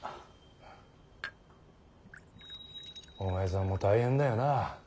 お前さんも大変だよな